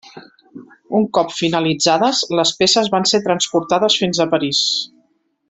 Un cop finalitzades, les peces van ser transportades fins a París.